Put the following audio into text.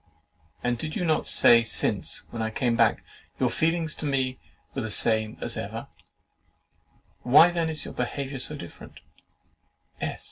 And did you not say since I came back, 'YOUR FEELINGS TO ME WERE THE SAME AS EVER?' Why then is your behaviour so different?"